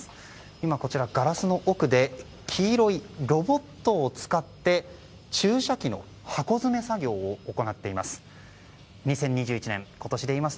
今、ガラスの奥で黄色いロボットを使って注射器の箱詰め作業を行っています。